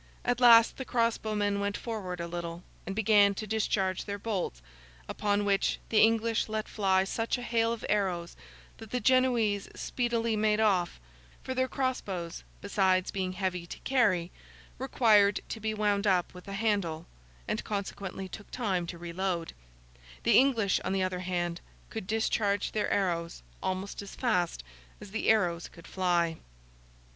At last the cross bowmen went forward a little, and began to discharge their bolts; upon which, the English let fly such a hail of arrows, that the Genoese speedily made off—for their cross bows, besides being heavy to carry, required to be wound up with a handle, and consequently took time to re load; the English, on the other hand, could discharge their arrows almost as fast as the arrows could fly.